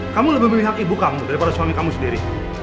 kamu lebih memihak ibu kamu daripada suami kamu sendiri